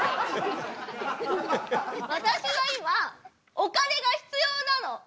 私は今お金が必要なの！